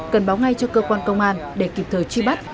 cần báo ngay cho cơ quan công an để kịp thời truy bắt